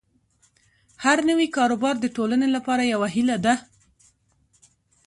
هر نوی کاروبار د ټولنې لپاره یوه هیله ده.